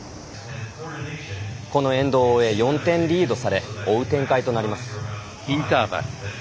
このエンドを終え４点リードされ追う展開となります。